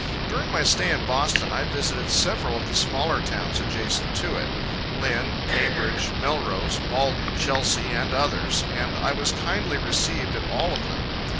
During my stay in Boston, I visited several of the smaller towns adjacent to it, Lynn, Cambridge, Melrose, Malden, Chelsea, and others, and I was kindly received at all of them.